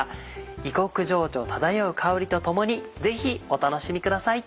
異国情緒漂う香りと共にぜひお楽しみください。